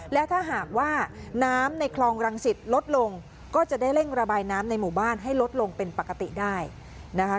และถ้าหากว่าน้ำในคลองรังสิตลดลงก็จะได้เร่งระบายน้ำในหมู่บ้านให้ลดลงเป็นปกติได้นะคะ